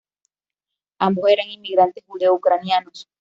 Ambos eran inmigrantes judeo-ucranianos.